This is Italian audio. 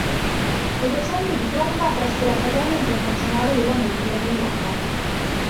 È docente di tromba presso l'Accademia Internazionale della Musica di Milano.